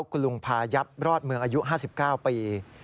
คุณลุงพายับรอดเมืองอายุ๕๙ปี